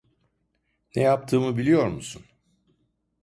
Ne yaptığımı biliyor musun?